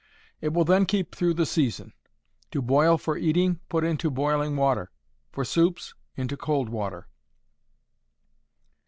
It will then keep through the season. To boil for eating, put into boiling water; for soups, into cold water.